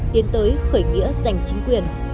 tiến tới khởi nghĩa giành chính quyền